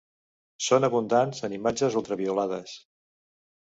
Són abundants en imatges ultraviolades.